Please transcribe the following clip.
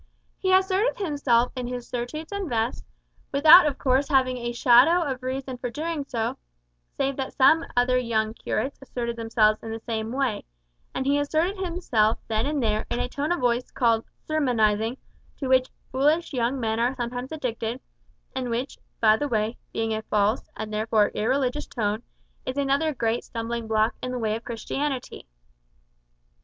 He asserted himself in his surtouts and vests, without of course having a shadow of reason for so doing, save that some other young curates asserted themselves in the same way; and he asserted himself then and there in a tone of voice called "sermonising," to which foolish young men are sometimes addicted, and which, by the way, being a false, and therefore irreligious tone, is another great stumbling block in the way of Christianity.